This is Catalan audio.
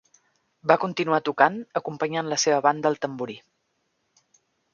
Va continuar tocant acompanyant la seva banda al tamborí.